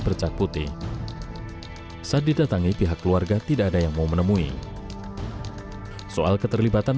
bercak putih saat didatangi pihak keluarga tidak ada yang mau menemui soal keterlibatan